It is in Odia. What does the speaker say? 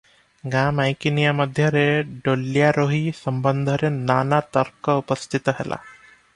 ଗାଁ ମାଈକିନିଆ ମଧ୍ୟରେ ଡୋଲ୍ୟାରୋହୀ ସମ୍ବନ୍ଧରେ ନାନା ତର୍କ ଉପସ୍ଥିତ ହେଲା ।